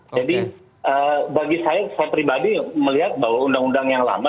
jadi bagi saya saya pribadi melihat bahwa undang undang yang lama